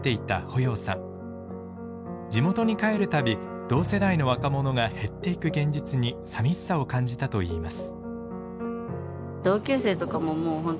地元に帰る度同世代の若者が減っていく現実にさみしさを感じたといいます。